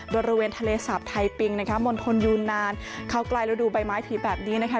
โดยระเวนทะเลสาปไทยปิงมณฑลยูนานเข้าใกล้รูดูใบไม้ถลีกแบบนี้นะคะ